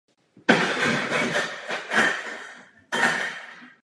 Věž má okno s půlkruhovým zakončením.